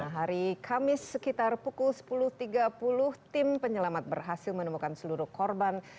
hari kamis sekitar pukul sepuluh tiga puluh tim penyelamat berhasil menemukan seluruh korban